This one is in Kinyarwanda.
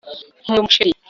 nkunda umuceri